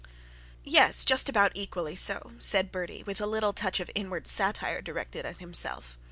'Yes, just about equally so,' said Bertie with a little touch of inward satire directed at himself.